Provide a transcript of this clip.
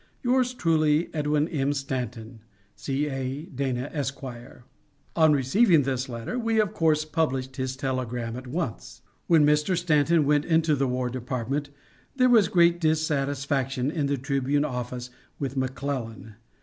Yours truly, EDWIN M. STANTON. C. A. DANA, Esq. On receiving this letter we of course published his telegram at once. When Mr. Stanton went into the War Department there was great dissatisfaction in the Tribune office with McClellan.